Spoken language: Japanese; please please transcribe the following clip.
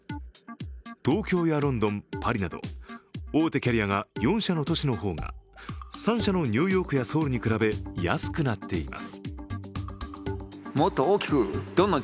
東京やロンドン、パリなど大手キャリアが４社の都市の方が３社のニューヨークやソウルに比べ安くなっています。